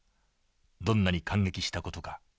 どんなに感激した事か。